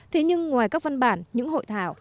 thế nhưng ngoài các văn bản những hội thảo